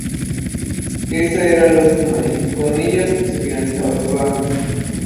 Ésta era la última ya que con ella se finalizaba el programa.